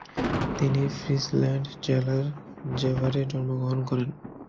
তিনি ফ্রিসল্যান্ড জেলার জেভারে জন্মগ্রহণ করেন।